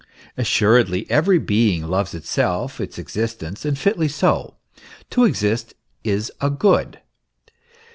* Assuredly every being loves itself, its exist ence and fitly so. To exist is a good.